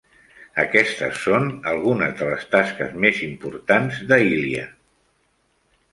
Aquestes són algunes de les tasques més importants de Ilya.